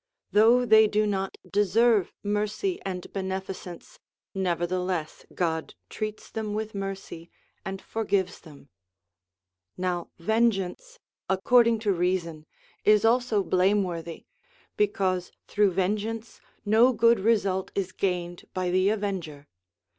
Though they do not deserve mercy and beneficence, nevertheless God treats them with mercy and forgives them. Now vengeance, according to reason, is also blame worthy, because through vengeance no good result is gained by the avenger.